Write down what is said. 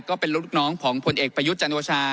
ก็เป็นลูกน้องของผลเอกประยุทธ์จันโอชา